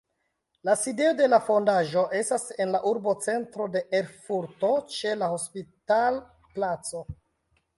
La sidejo de la fondaĵo estas en la urbocentro de Erfurto ĉe la Hospital-placo.